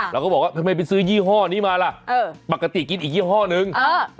เราก็บอกว่าทำไมไปซื้อยี่ห้อนี้มาล่ะปกติกินอีกยี่ห้อนึง